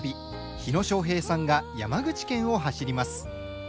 火野正平さんが山口県を走ります。